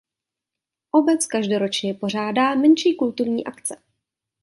Obec každoročně pořádá menší kulturní akce.